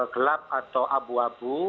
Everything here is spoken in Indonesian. gelap atau abu abu